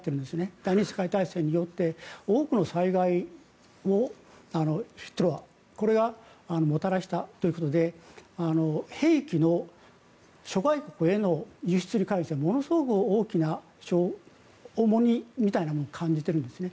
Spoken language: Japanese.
第２次世界大戦によって多くの災害を、ヒットラーこれがもたらしたということで兵器の諸外国への輸出に関してはものすごく大きな重荷みたいなものを感じているんですね。